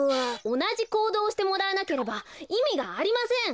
おなじこうどうをしてもらわなければいみがありません！